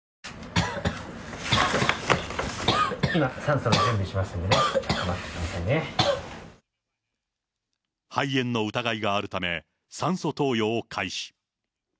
今、酸素の準備しますんでね、肺炎の疑いがあるため、酸素投与を開始。